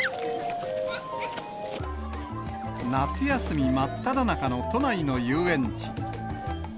夏休み真っただ中の都内の遊園地。